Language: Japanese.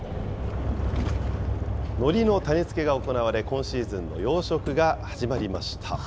のりの種付けが行われ、今シーズンの養殖が始まりました。